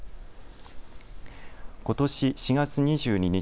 ことし４月２２日